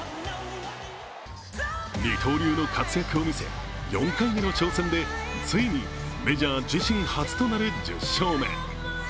二刀流の活躍を見せ、４回目の挑戦でついにメジャー自身初となる１０勝目。